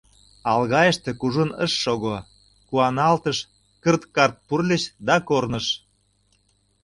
Алгайыште кужун ышт шого; куаналтышт, кырт-карт пурльыч - да корныш.